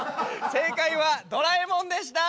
正解は「ドラえもん」でした。